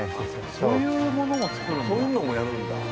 そういうのもやるんだ。